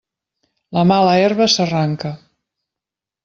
La mala herba s'arranca.